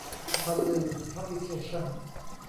บันลือพับลิเคชั่นส์